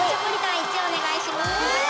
１お願いします